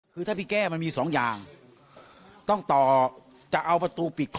คือถ้าขินแก้วันมี๒อย่างต้องต่อจะเอาประตูปิดคล้องตายไม่ได้นะครับ